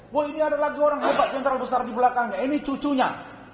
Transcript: bahwa ini ada lagi orang hebat yang terlalu besar di belakangnya ini cucunya